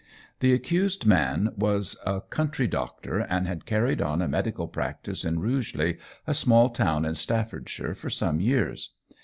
The accused man was a country doctor, and had carried on a medical practice in Rugeley, a small town in Staffordshire, for some years.